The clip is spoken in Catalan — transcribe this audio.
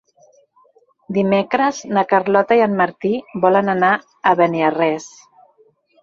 Dimecres na Carlota i en Martí volen anar a Beniarrés.